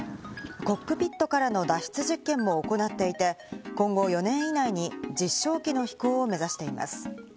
コックピットからの脱出実験を行っていて、今後４年以内に実証機の飛行を目指しています。